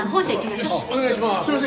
よしお願いします！